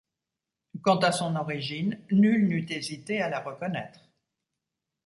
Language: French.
Quant à son origine, nul n’eût hésité à la reconnaître.